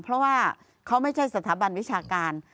เพราะว่าเขาไม่ใช่สถาบันวิชาการ